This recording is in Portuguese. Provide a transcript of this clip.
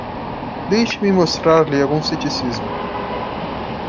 Deixe-me mostrar-lhe algum ceticismo.